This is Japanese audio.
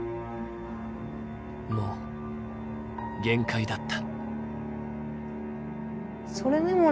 もう限界だった。